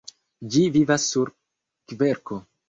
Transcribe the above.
Ĝi vivas sur kverko.